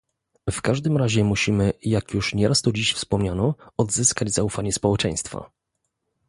W każdym razie musimy, jak już nie raz tu dziś wspominano, odzyskać zaufanie społeczeństwa